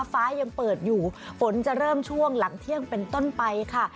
ฟ้ายังเปิดอยู่ฝนจะเริ่มช่วงหลังเที่ยงเป็นต้นไปค่ะ